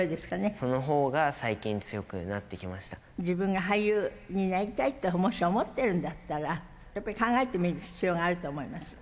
そのほうが最近強くなってき自分が俳優になりたいってもし思ってるんだったら、やっぱり考えてみる必要があると思います。